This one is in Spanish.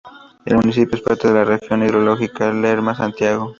El municipio es parte de la región hidrológica Lerma-Santiago.